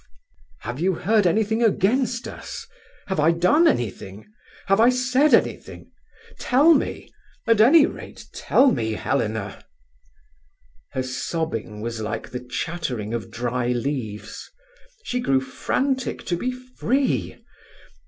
"Have you heard anything against us? Have I done anything? Have I said anything? Tell me—at any rate tell me, Helena." Her sobbing was like the chattering of dry leaves. She grew frantic to be free.